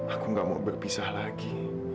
aku gak mau berpisah lagi